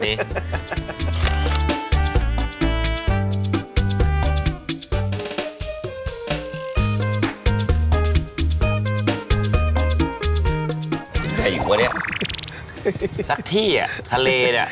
ยังไงอยู่วะเนี่ยสักที่อ่ะทะเลเนี่ย